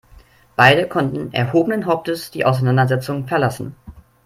Beide konnten erhobenen Hauptes die Auseinandersetzung verlassen.